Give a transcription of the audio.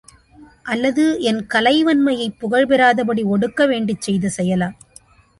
அல்லது என் கலைவன்மையைப் புகழ் பெறாதபடி ஒடுக்க வேண்டிச் செய்த செயலா?